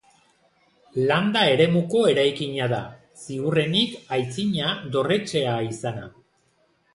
Landa eremuko eraikina da, ziurrenik aitzina dorretxea izana.